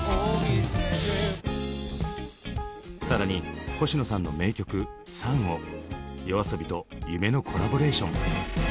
更に星野さんの名曲「ＳＵＮ」をＹＯＡＳＯＢＩと夢のコラボレーション。